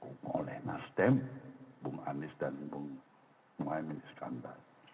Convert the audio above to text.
hukum oleh nasdem bung anies dan bung mwemis kandang